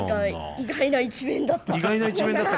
意外な一面だったか。